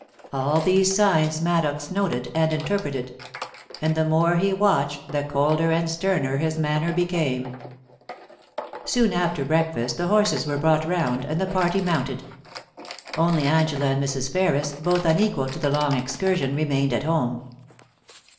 All these signs Maddox noted and interpreted. And the more he watched, the colder and sterner his manner became. Soon after breakfast the horses were brought round, and the party mounted. Only Angela and Mrs. Ferris, both unequal to the long excursion, remained at home.